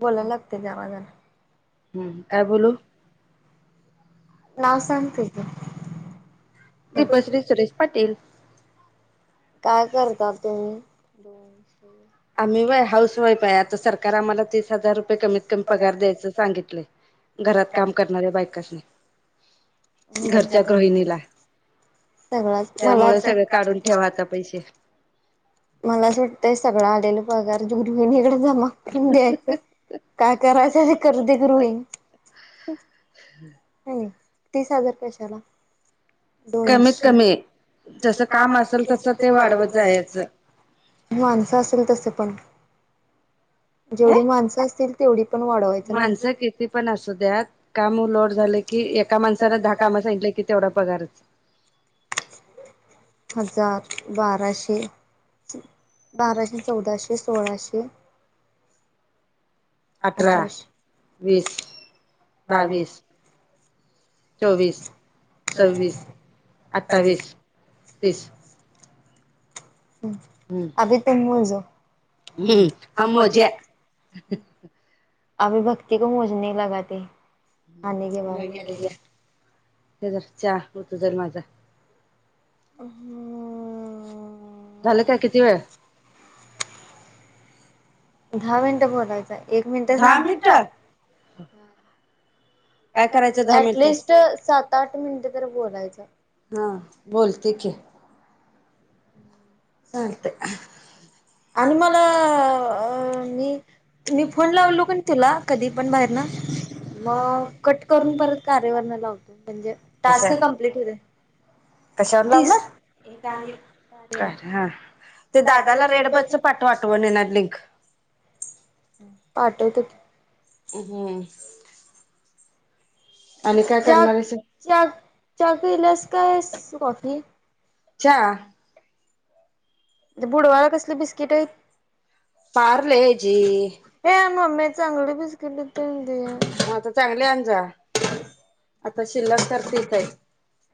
बोलायला लागते त्या माजना हम्म काय बोलू नाव सांग तुझं. दीपश्री सुरेश पाटील. काय करतात तुम्ही? दोन आम्ही व्हय हाऊस वाईफ आहे आता सरकार आम्हाला तीस हजार रुपये कमीत कमी पगार द्यायचं सांगितलंय घरात काम करणाऱ्या बायकासनी. घरच्या गृहिणीला. त्यामुळं सगळं काढून ठेवा आता पैसे. मला असं वाटतंय सगळं आलेलं माघारी [unintelligible] जमा करून द्यायच काय करायचं ते करू दे गृहिणी हाय ना तीस हजार कशाला. कमीत कमी जसं काम असेल तसं ते वाढवत जायचं. माणसं असेल तसे पण [inaudible] कय माणसं किती पण असू द्या कामलट झा की एका माणसाला दहा काम सां की तेवढा पगारच हजार बाराशे बाराशे चौदाशे सोळाशे अठरा, वीस, बावीस चोवीस, सव्वीस, अठ्ठावीस, तीस हम् हम मोज्या. अभी भक्ती को मोजणे लगाते हे आणि [inaudible] हे धर चहा उतू जाईल माझा. [unintelligible] [inaudible] किती वेळ. दहा मिनिटं बोलायचंय. एक मिनिटं झा दहा मिनिटं? [inaudible] काय करायचं दहा मिनटं? ऍटलिस्ट सात आठ मिनिटं तर बोलायचं [unintelligible] चालतंय अ आणि मला -मी -मी फोन लावलो का नाही तुला कधी पण बाहेरन, मग कट करून परत कार्यावर लावतो म्हणजे टास्क कमप्लीट होऊ दे. तीस - हा. ते दादाला रेड ब- पाठव आठवणीन लिंक. पाठवते - हम्म. आणि काय करणार आहेस? चा पिलेस का कॉफी? चहा. बुडवाया कसली बिस्किट आहेत? पाारले जी. चांगली बिस्किट- तंआहे. आता शिल्लक तर तेचयेत.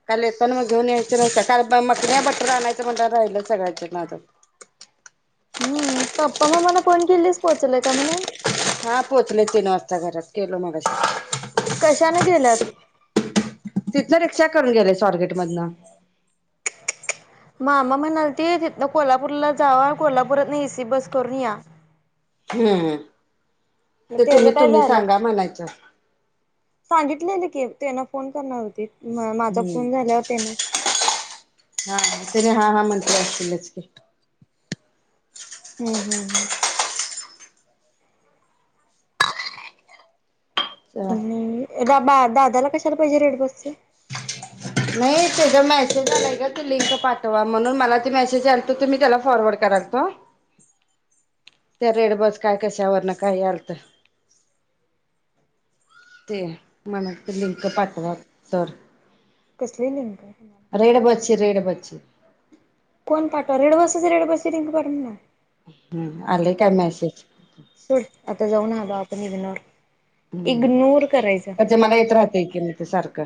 काल येेताना मग घेऊन यायचे नाही का? काल [unintelligible] आणायचं म्हण राहिल सगळ्याचे नादात. हम्म. पप्पानं मला फोन केलीस पोहचलय का म्हणून? हा, पोहोचले तीन वाजता घरात. केल मगाशी. तिथनं रिक्षा करून गेले स्वारगेट मधन. मामा म्हणाल, ते तिथ कोल्हापूरला जावा कोल्हापूराहून ए सी बस करून या. हम्म. ते तुम्ही. तुम्ही सांगा म्हनायचं- की त्याना फोन करणार होती. म माझा फोनं झाला होता ना? हा हा. त हा हा म्हटलं असतीलच की. हम्म हम्म हम्म. बा दादाला कशाला? - ल पाहिजे रेड बसते. नाही- ते- मेसेज आला ग ती लिंक पाठवा म्हणून, मला- मेसेज आल त तुम्ही त्याला फॉरवर्ड कराल तो. त्या रेड बस काय कशावर न काय आल तर- ते -मला ते लिंक पाठवा तर- कसली लिंक? रेड बसची, रेड बस कोण पाठवणार [unintelligible] सोड, आता जाऊन आलो आपण इगनोर- इग्नोर करायचं. प ते मला येत राहतेय की नाही ते सारखं.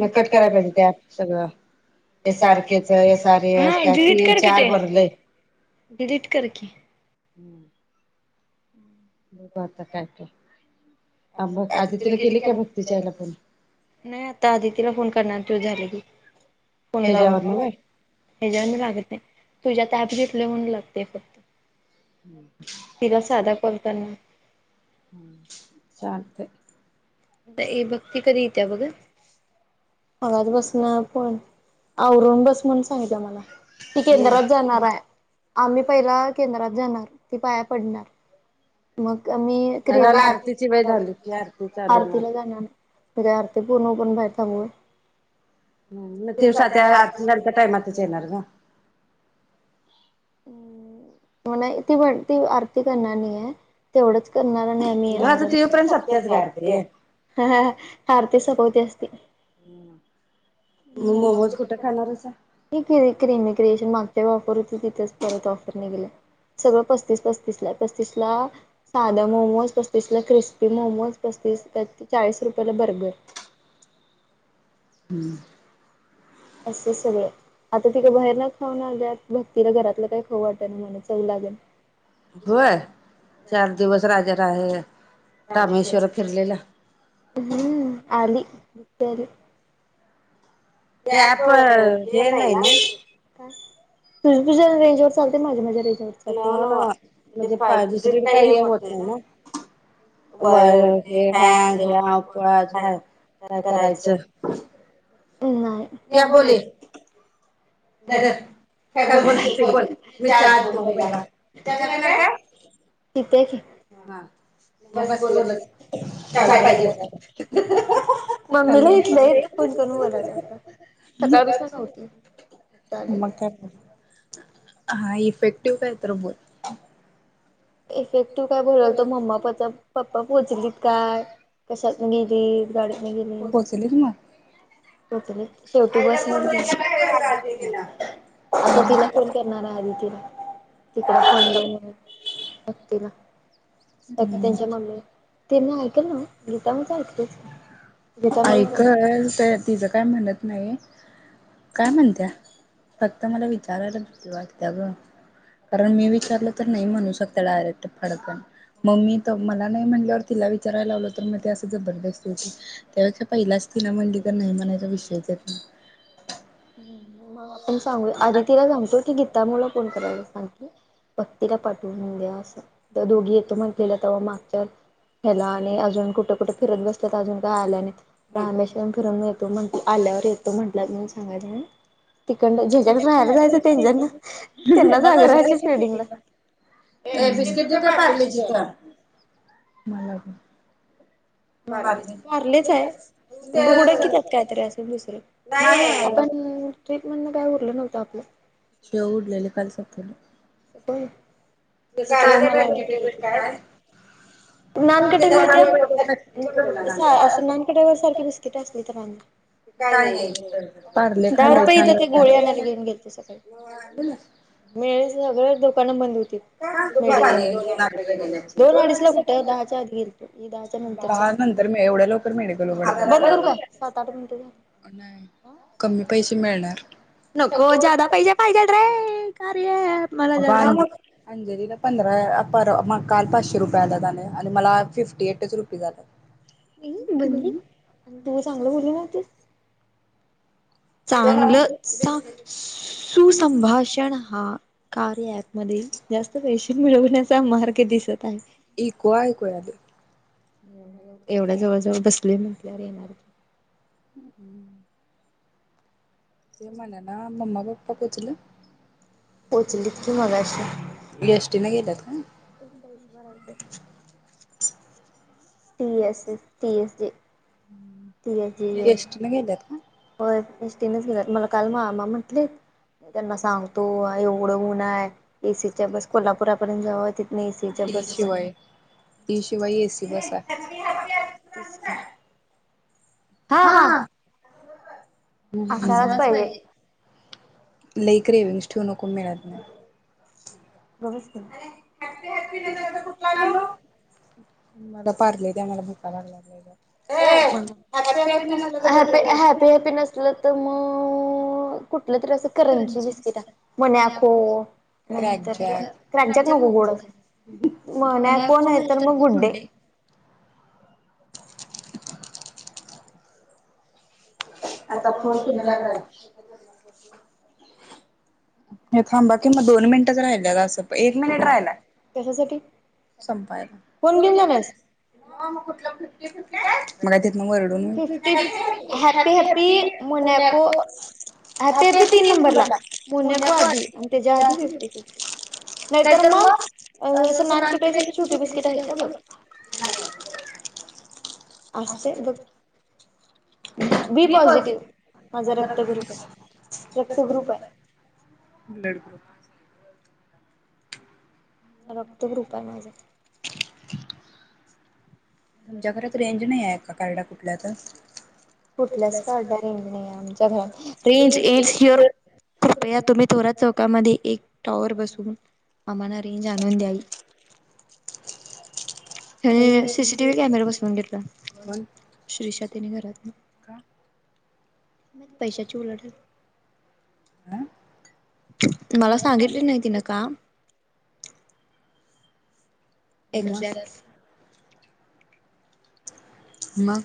कट करायला पाहिजे सगळं. सारखेच स -डिलीट कर की ते, डिलीट कर. हम् हम्म बघू आता काय ते आदितीला केली का फोन नाही आता आदितीला फोन करणार त झाले की तुझ्या ते फक्त हम, हम चालतंय आता ए भक्ती कधी येत्या बघ आवाज बसन पण औवरुून बस म्हणून सांगितलं मला ती केंद्रात जाणार आहे आम्ही पहिला केंद्रात जाणार ती पाया पडणार मग आम्ही कती आरतीला जाणार आरती पूर्ण पण बाहेर थांबव ह मग दिवसा त्या आठ जणच्या टायमातच येणार ग मणा ती म्हण ती आरती करणार नाही आहे तेवढंच कर नाही ये आती सपवती असती क्रिएशन मागच्या ऑफर होती तिथे परत ऑफरने गेलं सगळं पस्तीस पस्तीस ला पस्तीस ला साध मोमोज पस्तीस ला क्रिस्पी मोमोज पस्तीस चाळीस रुपयाला बर्गर हम्म असं सगळं आता तििकं बाहेर ना खाऊ नाल्यात भक्तीला घरातलं काय खाऊ वाटत ना म्हणे चव लागेल होय चार दिवस राजा रा आहे रामेश्वर फिरलेला मुतल त्याप हेय ना तुझी तुझ्या रेंजवर चालते माझ्या माझ्या रेंजवर चालाव नावा दुसे काय हे होत नाही ना वर हे हॅ ह्या उपज ह काय करायचं या बोले पिते की हा मग बस बोलत पाहिजे मग काय बोल [inaudible] हा इफेक्टिव्ह काय तर बोल [inaudible] इफेक्ट तू काय बरल तर मम्माचा पप्पा पोहोचलीत, काय कशातन गेली गाडीत न गेली हो शेवटी बस आता तिला फोन करणार आहे तिकड फोन लाव तिला [unintelligible] ते त्यांच्या मम्मी त्यांनी ऐकल नव त्यांच्या गीतामुळे ऐकलच गीतामुळेच. तिचं काय म्हणत नाही काय म्हणत्या, फक्त मला विचारायला भीती वाटत्या ग. कारण मी विचारलं. तर नाही म्हणू शकत्या डायरेक्ट. हरकत. मम्मी तर मला नाही म्हणल्यावर, तिला विचारायला लावले तर मग ते असं जबरदस्ती होती. त्याव पहिलाच तिला म्हणली तर नाही. कोणाचा विषय येत नाही. हम्म. मग आपण सांगू आदिती सांगतोय की, गीता मुळ फोन करायला सांग. भक्तीला पाठवून द्या असं. त्या दोघी येतो म्हंटलेला, तेव्हा मागच्या ह्याला आणि अजून कुठे कुठे फिरत बसतत, अजून काय आल्या नाही, रामेश्वर फिरून येतो म्हटल्या आल्यावर येतो म्हटलंत. तिकडं न जच्याकड राला जायच त्यां आग्रहाचे [unintelligible] पार्ले जी इकडं आण [unintelligible] पार्ले पारलेच हाय हो हुडकी, त्यात काय तर कायतरी असं दुसर आपण ते म्हण काय उरलं नव्हतं आपलं. लेले का सत. [unintelligible] पण. [unintelligible] चा नानकट्या अस नानकट्यावर सारखी बिस्किट असली तर का नाही, दहा रुपये इथ गोळे आणायला घेऊन गे सगळ मिळे सगळेच दुकानं बंद होती. दुप द नंतर एवढ्या लवकर मिळे ग लो नाही कमी पैसे मिळ [unintelligible] नाय बुवा. नको जादा पैसे पाहिजेल रे [unintelligible] प्ले मला जरा. अंजली ना पंधरा पर मग काल पाचशे रुपयाे आल्याले आणि मला फिफ्टी एटच रुपीज आल्यात. तू चांगलं बोल नव्हतीस. चांगलं का सुसंभाषण हा. कार्य ॲप मध्ये जास्त. पेशन मिळवण्याचा मार्ग दिसत आहे. एव एवढ्या जवळ जवळ बसले म्हटल्यावर येणार की. हम्म हम्म. ते म्हनला म. ममापाप्पा पोहचल पोचलीत की मग अशी एक पैसे भरायचे टीएस एस टीएस जी ठीक आहे ठीक आहे होर [unintelligible] एष्टीनेच गेलात मला काल मग मामा म्हटले. सांग शिवाय ती शिवाय एसी बस आहे. हा हा न का ह असालाच पाहिजे. लकर रेवंगस्टनोक मिेळादम [unintelligible] बमस्त [unintelligible] मला पारले द्या मला कारराण लागलेलं [unintelligible] हॅप हॅपपस हॅपी हॅप्पी नसल तर मग कुठलं तरी असं करंची बिस्किट आहे म्हन खो नाहीतर क्रॅक जक नको गोडं [unintelligible] [unintelligible] मोन्याकॊ नाही तर मग गुड्डे आता फोन कुठला. हो हे थांबा कि म दोन मिनिटच राहिले अस एक मिनिट राहिला संपायला कुय वरड [unintelligible] ह ते पी तीन नंबरला [unintelligible] [unintelligible] महिन्यात त्याच्या नाहीतर मग नानपट [unintelligible] [unintelligible] असतय बघ बी पॉझिटिव्ह माझा रक्तग्रुप आहे रक्तग्रुप आहे. ब्लडग्रुप रक्तग्रूप आहे माझा तुमच्या घरात रेंज नाह्याय - आकारडा कुठल्या यत [unintelligible] कुठल्याच कार्डला रेंज नाही आमच्या घरात रेंज [unintelligible] कृपया तुम्ही थोरात चौकामध्ये एक टॉवर बसून आम्हाला रेंज आणून द्यावी. ह्या शी शी टिव्हीत कॅमेरा बसवून घेतला कोण श्रीषातेनी घरातन काय माहिती पैशाची उलाढाल म्ह मला सांगितली नाही तिन का एक्जॅक्टस [unintelligible] मग